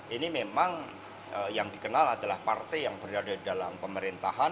ini memang yang dikenal adalah partai yang berada di dalam pemerintahan